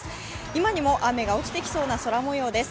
今にも雨が落ちてきそうな空もようです。